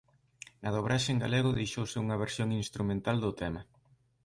Na dobraxe en galego deixouse unha versión instrumental do tema.